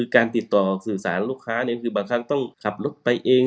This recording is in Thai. การติดต่อสื่อสารลูกค้าคือบางครั้งต้องขับรถไปเอง